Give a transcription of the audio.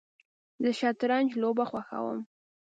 زه شطرنج لوبه خوښوم